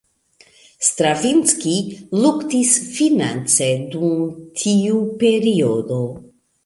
Stravinski luktis finance dum tiu periodo.